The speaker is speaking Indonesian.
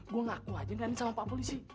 gue ngaku aja berani sama pak polisi